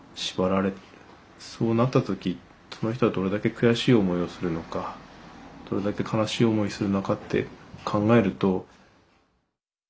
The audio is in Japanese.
そうなった時その人はどれだけ悔しい思いをするのかどれだけ悲しい思いするのかって考えると。